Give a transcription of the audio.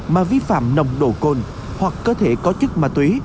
mà vi phạm nồng độ cồn hoặc cơ thể có chất ma túy